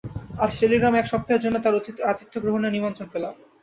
আজ টেলিগ্রামে এক সপ্তাহের জন্য তাঁর আতিথ্যগ্রহণের নিমন্ত্রণ পেলাম।